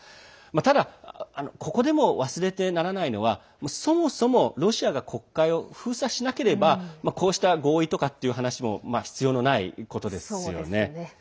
ただ、ここでも忘れてならないのはそもそも、ロシアが黒海を封鎖しなければこうした合意とかっていう話も必要のないことですよね。